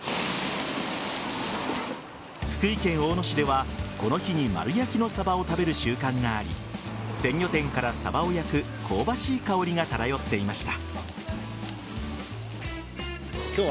福井県大野市ではこの日に丸焼きのサバを食べる習慣があり鮮魚店からサバを焼く香ばしい香りが漂っていました。